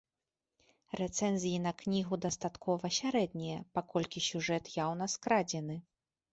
Рэцэнзіі на кнігу дастаткова сярэднія, паколькі сюжэт яўна скрадзены.